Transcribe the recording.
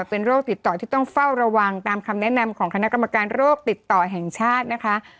เป็นโรคติดต่อที่ต้องเฝ้าระวังตามคำแนะนำของคณะกรรมการโรคติดต่อแห่งชาตินะคะ